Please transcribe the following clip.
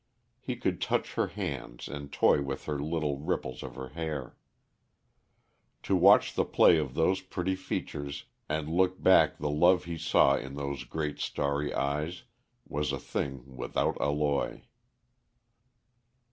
He could touch her hands and toy with the little ripples of her hair. To watch the play of those pretty features and look back the love he saw in those great starry eyes was a thing without alloy.